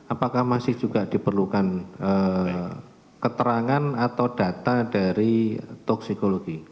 apakah masih juga diperlukan keterangan atau data dari toksikologi